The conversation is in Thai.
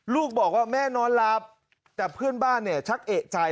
ลูกบอกว่าแม่นอนหลับแต่เพื่อนบ้านเนี่ยชักเอกใจ